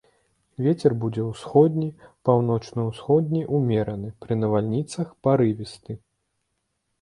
Вецер будзе ўсходні, паўночна-ўсходні ўмераны, пры навальніцах парывісты.